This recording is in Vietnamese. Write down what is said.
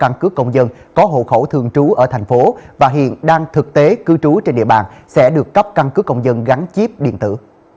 căn cứ công dân có hộ khẩu thường trú ở thành phố và hiện đang thực tế cư trú trên địa bàn sẽ được cấp căn cứ công dân gắn chip điện tử